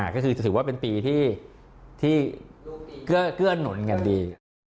ก็คือจะถือว่าเป็นปีที่เกื้อนหนุนกันดี